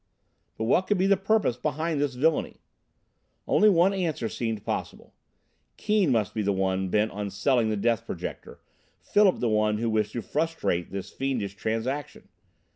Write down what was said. But what could be the purpose behind this villainy? Only one answer seemed possible. Keane must be the one bent on selling the Death Projector, Philip the one who wished to frustrate the fiendish transaction!